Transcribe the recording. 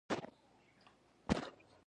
ما یوازې پر تا د هغه باور کولای شو او بس.